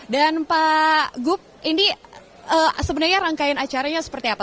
dan pak gu ini sebenarnya rangkaian acaranya seperti apa